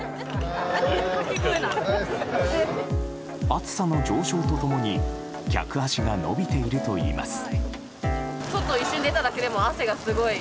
暑さの上昇と共に客足が伸びているといいます。